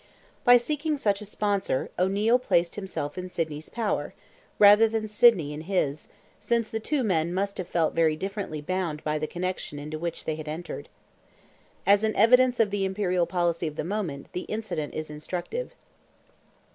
By seeking such a sponsor, O'Neil placed himself in Sidney's power, rather than Sidney in his, since the two men must have felt very differently bound by the connection into which they had entered. As an evidence of the Imperial policy of the moment, the incident is instructive.